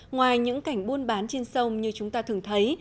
ngoài những cảnh buôn bán trên sông như chúng ta thường thấy